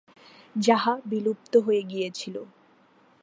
যাহা বিলুপ্ত হয়ে গিয়েছিল।